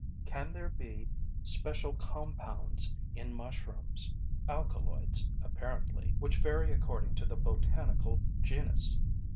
Can there be special compounds in mushrooms, alkaloids, apparently, which vary according to the botanical genus?